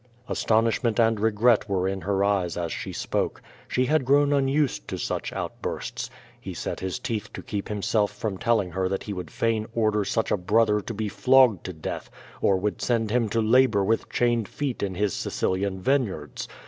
Astonishment and regret were in her eyes as she spoke. She had grown unused to such outbursts. He set his teeth to keep himself from telling her that he would fain order such a brother to be flogged to death, qr would send him to labor with chained feet in his Sicilian vineyards.